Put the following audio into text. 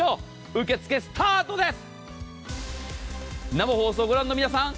受け付けスタートです。